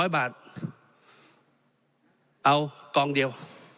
๐บาทเอากองเดียว